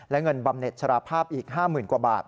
และเงินบำเน็ตชราภาพอีก๕๐๐๐กว่าบาท